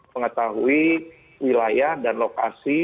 mengetahui wilayah dan lokasi